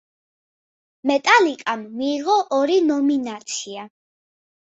მეტალიკამ მიიღო ორი ნომინაცია.